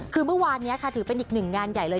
คือเมื่อวานนี้ค่ะถือเป็นอีกหนึ่งงานใหญ่เลย